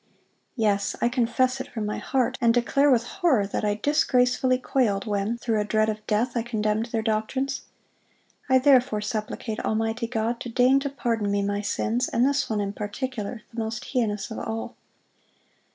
Yes! I confess it from my heart, and declare with horror that I disgracefully quailed when, through a dread of death, I condemned their doctrines. I therefore supplicate ... Almighty God to deign to pardon me my sins, and this one in particular, the most heinous of all."